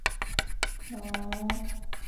拿督潘健成